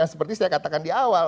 seperti saya katakan di awal